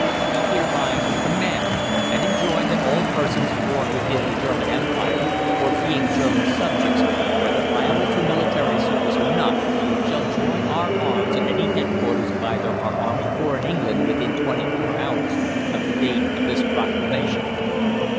We hereby COMMAND and enjoin that all persons born within the German Empire, or being German subjects, whether liable to military service or not, shall join our arms at any headquarters of either of our Army Corps in England within 24 hours of the date of this proclamation.